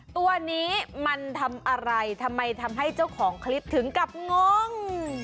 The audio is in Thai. ตัวนี้มันทำอะไรทำไมทำให้เจ้าของคลิปถึงกับงง